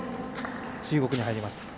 中国に入りました。